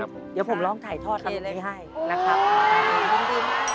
เดี๋ยวผมลองถ่ายทอดขนาดนี้ให้นะครับ